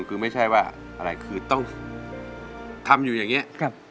คือไม่ใช่ว่าอะไรคือต้องทำอยู่อย่างนี้